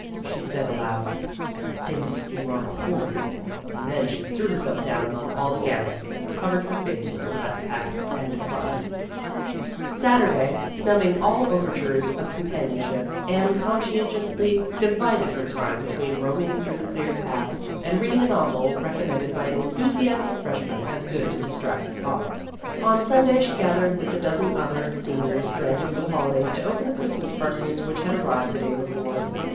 She said aloud, " I think you are horrid !" and then she threw herself down among all the gowns, and covered her face with her best hat, and cried. 146 Vassar Studies Saturday, snubbing all overtures of com panionship, Anne conscientiously divided her time between roaming through the cleared paths, and reading a novel recom mended by an enthusiastic freshman as good to distract the thoughts. On Sun day she gathered with the dozen other seniors stranded for the holidays to open the Christmas parcels which had arrived the day before.